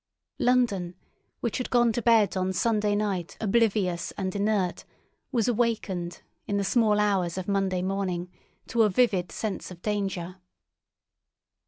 London, which had gone to bed on Sunday night oblivious and inert, was awakened, in the small hours of Monday morning, to a vivid sense of danger.